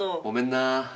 ごめんな。